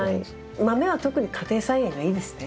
豆は特に家庭菜園がいいですね。